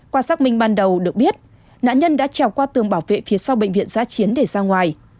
qua xác minh ban đầu được biết nạn nhân đã trèo qua tường bảo vệ phía sau bệnh viện giá chiến để ra ngoài